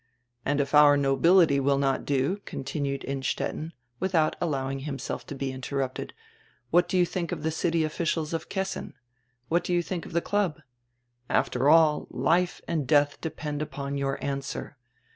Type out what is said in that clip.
"And if our nobility will not do," continued Innstetten, witiiout allowing himself to be interrupted, "what do you diink of die city officials of Kessin? What do you diink of die club? After all, life and deadi depend upon your answer.